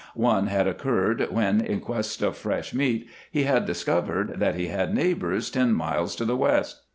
One had occurred when, in quest of fresh meat, he had discovered that he had neighbors ten miles to the west.